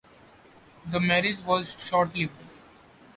The marriage was short-lived.